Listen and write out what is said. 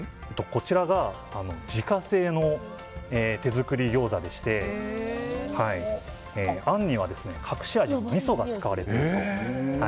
こちらが自家製の手作り餃子でしてあんには隠し味にみそが使われている。